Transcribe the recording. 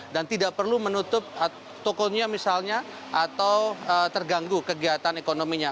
dan tidak perlu menutup tokonya misalnya atau terganggu kegiatan ekonominya